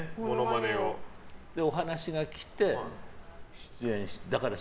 それで、お話が来て、出演して。